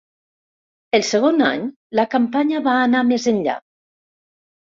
El segon any, la campanya va anar més enllà.